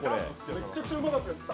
めちゃくちゃうまかったよ。